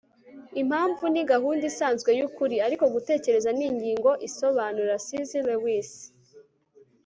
impamvu ni gahunda isanzwe y'ukuri; ariko gutekereza ni ingingo isobanura - c s lewis